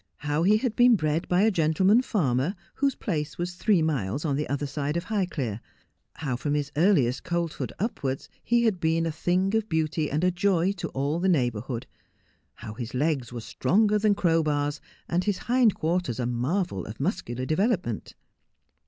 How he had been bred by a gentleman farmer, whose place was three miles on the other side of High clere ; how from his earliest colthood upwards he had been a thing of beauty and a joy to all the neighbourhood ; how his legs were stronger than crowbars, and his hind quarters a marvel of muscular development.